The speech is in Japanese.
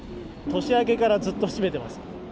年明けからずっと閉めてますから。